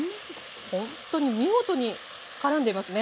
ほんとに見事にからんでいますね。